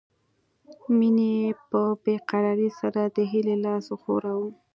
مينې په بې قرارۍ سره د هيلې لاس وښوراوه